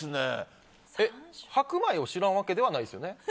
白米を知らんわけではないですよね。